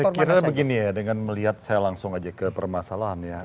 saya kira begini ya dengan melihat saya langsung aja ke permasalahan ya